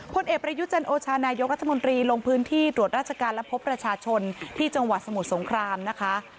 เอกประยุจันโอชานายกรัฐมนตรีลงพื้นที่ตรวจราชการและพบประชาชนที่จังหวัดสมุทรสงครามนะคะ